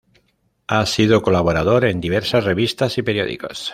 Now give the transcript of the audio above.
Ha sido colaborador en diversas revistas y periódicos.